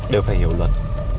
đều phải hiểu luật